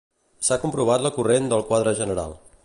S'ha comprovat la corrent del quadre general